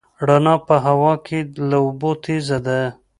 رڼا په هوا کې له اوبو تېزه ده.